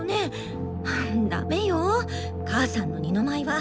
ダメよ母さんの二の舞は！